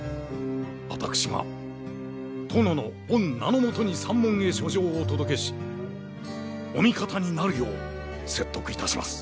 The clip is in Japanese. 私が殿の御名のもとに山門へ書状をお届けしお味方になるよう説得いたします。